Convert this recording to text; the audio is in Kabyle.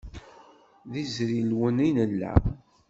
D iẓrilwen i nella.